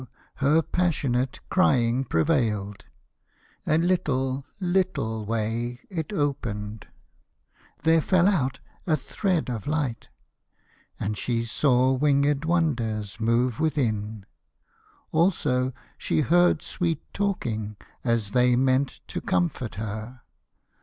her passionate Crying prevailed. A little little way It opened: there fell out a thread of light, And she saw wingèd wonders move within; Also she heard sweet talking as they meant To comfort her.